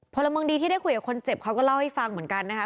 พลเมืองดีที่ได้คุยกับคนเจ็บเขาก็เล่าให้ฟังเหมือนกันนะคะ